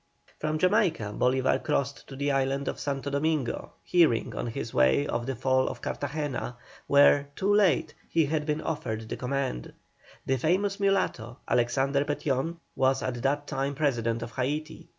From Jamaica Bolívar crossed to the island of Santo Domingo, hearing on his way of the fall of Cartagena, where, too late, he had been offered the command. The famous mulatto, Alexander Petión, was at that time President of Haiti.